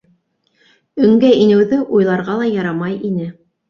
Өңгә инеүҙе уйларға ла ярамай ине.